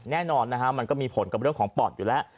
แน่นอนนะฮะมันก็มีผลกับเรื่องของปอดอยู่แล้ว